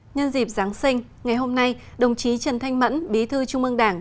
nhân dịp giáng sinh ngày hôm nay đồng chí trần thanh mẫn bí thư trung ương đảng